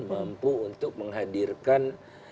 mampu untuk menghadirkan